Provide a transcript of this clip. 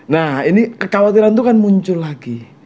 nah ini kekhawatiran itu kan muncul lagi